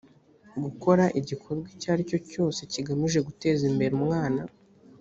gukora igikorwa icyo ari cyo cyose kigamije guteza imbere umwana